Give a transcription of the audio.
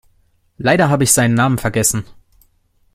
Leider habe ich seinen Namen vergessen.